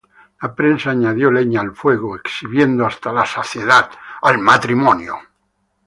La prensa añadió leña al fuego exhibiendo hasta la saciedad al matrimonio.